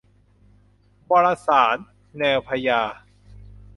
วรศาสส์ แนวพญา